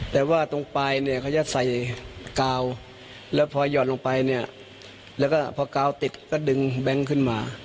แต่ว่าตรงปลายเนี่ยเขาจะใส่กาวแล้วพอหยอดลงไปเนี่ยแล้วก็พอกาวติดก็ดึงแบงค์ขึ้นมา